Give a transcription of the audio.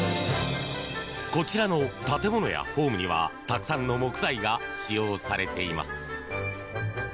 こちらの建物やホームにはたくさんの木材が使用されています。